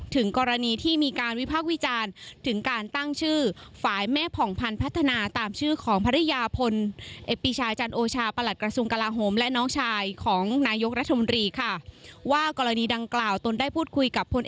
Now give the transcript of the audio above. ถึงกรณีที่มีการวิภาควีจารย์ถึงการตั้งชื่อฝ่ายแม่ผ่องพันย์พัฒนา